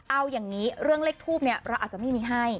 เอาอย่างนี้เรื่องเลขทูปเนี่ยเราอาจจะไม่มีให้